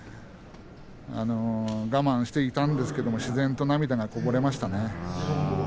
我慢していたんですけれども自然と涙がこぼれましたね。